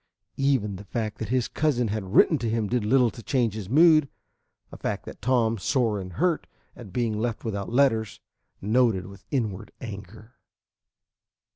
Even the fact that his cousin had written to him did little to change his mood, a fact that Tom, sore and hurt at being left without letters, noted with inward anger.